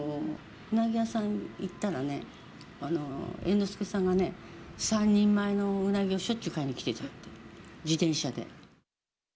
うなぎ屋さん行ったらね、猿之助さんがね、３人前のうなぎをしょっちゅう買いに来てたって、自転車で。